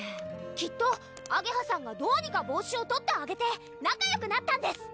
きっとあげはさんがどうにか帽子を取ってあげて仲よくなったんです